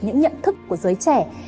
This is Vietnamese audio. những nhận thức của giới trẻ